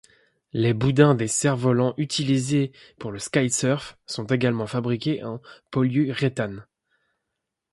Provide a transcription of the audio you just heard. Les boudins des cerfs-volants utilisés pour le kitesurf sont également fabriqués en polyuréthane.